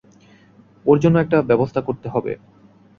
ওর জন্য একটা ব্যবস্থা করতে হবে।